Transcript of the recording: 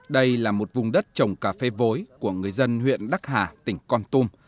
đây là một vùng đất trồng cà phê vối của người dân huyện đắc hà tỉnh con tum